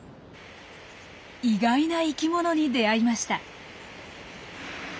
意外な生きものに出会いました。